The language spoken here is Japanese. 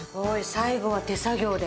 最後は手作業で。